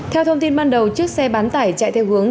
theo thông tin ban đầu chiếc xe bán tải chạy theo hướng